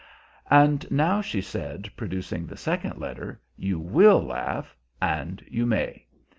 "And now," she said, producing the second letter, "you will laugh! And you may!"